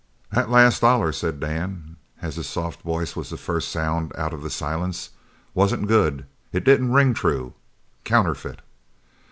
"That last dollar," said Dan, and his soft voice was the first sound out of the silence, "wasn't good. It didn't ring true. Counterfeit?"